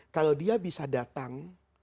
kalau dia bisa datang